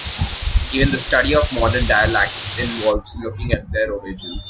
Even the study of modern dialects involved looking at their origins.